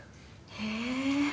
へえ。